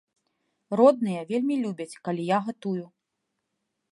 Родныя вельмі любяць, калі я гатую.